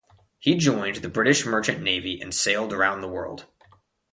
He joined the British Merchant Navy and sailed around the world.